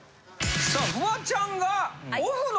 さあフワちゃんが。